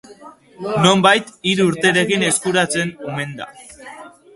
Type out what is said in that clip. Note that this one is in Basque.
Nonbait hiru urterekin eskuratzen omen da.